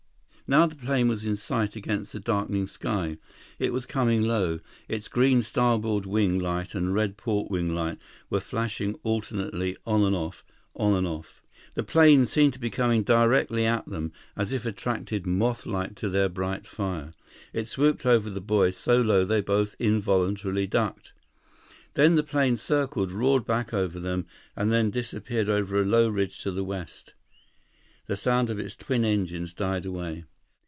Now the plane was in sight against the darkening sky. It was coming low. Its green starboard wing light and red port wing light were flashing alternately on and off, on and off. The plane seemed to be coming directly at them, as if attracted moth like to their bright fire. It swooped over the boys, so low they both involuntarily ducked. Then the plane circled, roared back over them, and then disappeared over a low ridge to the west. The sound of its twin engines died away.